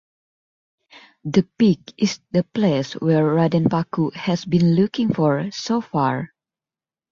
The peak is the place where Raden Paku has been looking for so far.